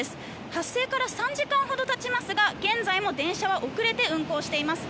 発生から３時間ほど経ちますが現在も電車は遅れて運行しています。